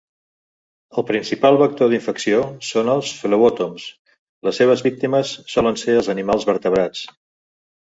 El principal vector d'infecció són els flebòtoms; les seves víctimes solen ser els animals vertebrats.